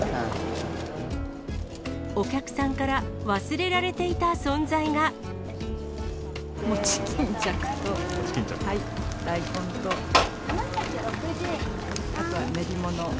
お客さんから忘れられていたもち巾着と大根と、あとは練り物。